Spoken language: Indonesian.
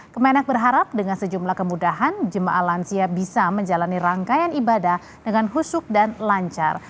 kemenak berharap dengan sejumlah kemudahan jemaah lansia bisa menjalani rangkaian ibadah dengan husuk dan lancar